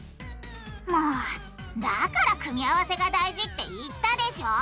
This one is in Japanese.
もうだから組み合わせが大事って言ったでしょ！